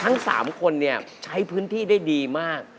ทั้ง๓คนใช้พื้นที่ได้ดีมาก